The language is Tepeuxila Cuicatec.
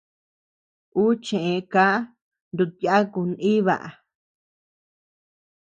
Ú cheʼë ká nutyáku naíba.